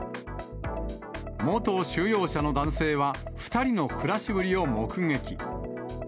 元収容者の男性は、２人の暮らしぶりを目撃。